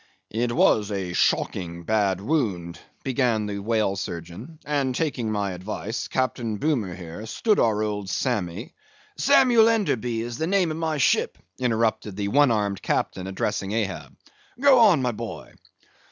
"It was a shocking bad wound," began the whale surgeon; "and, taking my advice, Captain Boomer here, stood our old Sammy—" "Samuel Enderby is the name of my ship," interrupted the one armed captain, addressing Ahab; "go on, boy."